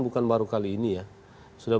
bukan baru kali ini ya sudah